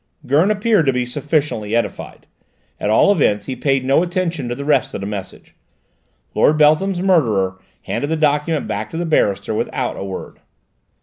Gurn appeared to be sufficiently edified: at all events he paid no attention to the rest of the message. Lord Beltham's murderer handed the document back to the barrister without a word.